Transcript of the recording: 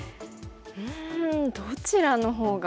うんどちらのほうが。